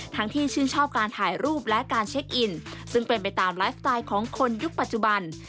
ที่ชื่นชอบการถ่ายรูปและการเช็คอินซึ่งเป็นไปตามไลฟ์สไตล์ของคนยุคปัจจุบัน